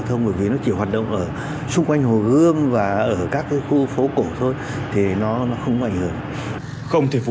trong việc giảm ủn tăng giảm nguyên liệu giảm nguyên liệu giảm nguyên liệu giảm nguyên liệu